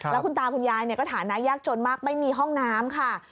แล้วคุณตาคุณยายก็ฐานะยากจนมากไม่มีห้องน้ำค่ะ